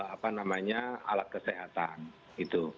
apa namanya alat kesehatan gitu